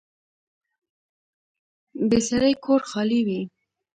بې سړي کور خالي وي